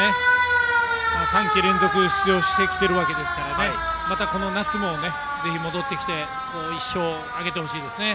３季連続出場してきてるわけですからこの夏もぜひ戻ってきて１勝、挙げてほしいですね。